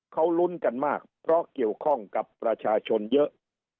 เขาลุ้นกันมากเพราะเกี่ยวข้องกับประชาชนเยอะ